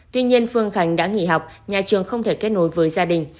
tuy nhiên phương khánh đã nghỉ học nhà trường không thể kết nối với gia đình